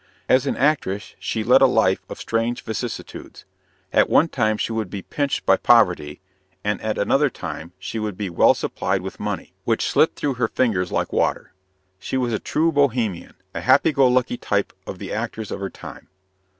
As an actress she led a life of strange vicissitudes. At one time she would be pinched by poverty, and at another time she would be well supplied with money, which slipped through her fingers like water. She was a true Bohemian, a happy go lucky type of the actors of her time.